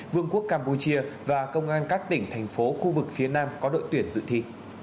vương quốc campuchia và công an các tỉnh thành phố khu vực phía nam có đội tuyển dự thi